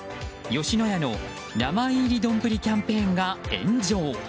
吉野家の名前入り丼キャンペーンが炎上。